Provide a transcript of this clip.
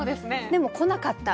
でも来なかった。